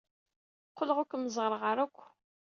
Qqleɣ ur kem-ẓerreɣ ara akk.